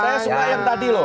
saya semua yang tadi loh